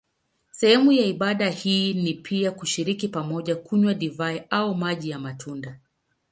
Sehemu ya ibada hii ni pia kushiriki pamoja kunywa divai au maji ya matunda.